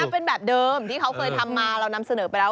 เป็นแบบเดิมที่เขาเคยทำมาเรานำเสนอไปแล้ว